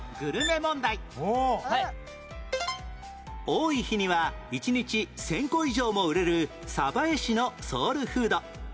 多い日には１日１０００個以上も売れる江市のソウルフード